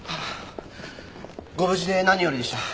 ご無事で何よりでした。